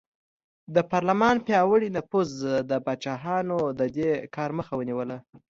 د پارلمان پیاوړي نفوذ د پاچاهانو د دې کار مخه ونیوله.